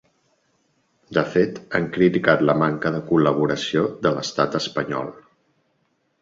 De fet, han criticat la manca de col·laboració de l’estat espanyol.